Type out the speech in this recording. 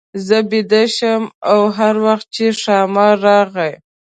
زه بېده شم او هر وخت چې ښامار راغی.